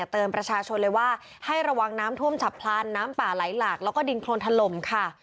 เตือนประชาชนเลยว่าให้ระวังน้ำท่วมฉับพลันน้ำป่าไหลหลากแล้วก็ดินโครนถล่มค่ะ